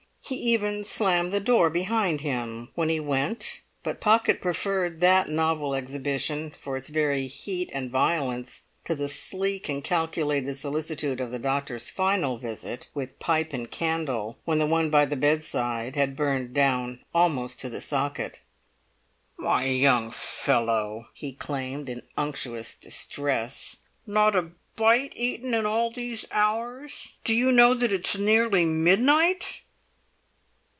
He even slammed the door behind him when he went. But Pocket preferred that novel exhibition, for its very heat and violence, to the sleek and calculated solicitude of the doctor's final visit, with pipe and candle, when the one by the bedside had burnt down almost to the socket. "My young fellow!" he exclaimed in unctuous distress. "Not a bite eaten in all these hours! Do you know that it's nearly midnight?"